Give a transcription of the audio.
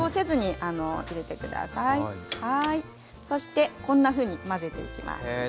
そしてこんなふうに混ぜていきます。